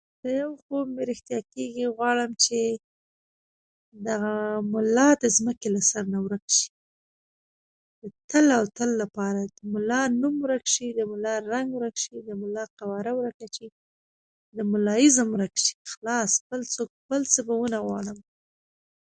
ده دي خوارکي ملا صاحب سه بيخي بد راځي